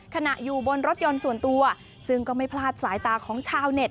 อยู่บนรถยนต์ส่วนตัวซึ่งก็ไม่พลาดสายตาของชาวเน็ต